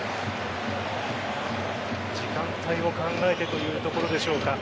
時間帯を考えてというところでしょうか。